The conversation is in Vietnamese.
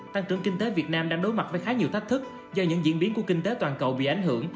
tăng trưởng kinh tế việt nam đang đối mặt với khá nhiều thách thức do những diễn biến của kinh tế toàn cầu bị ảnh hưởng